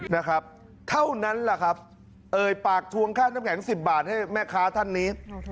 นะครับเท่านั้นแหละครับเอ่ยปากทวงค่าน้ำแข็งสิบบาทให้แม่ค้าท่านนี้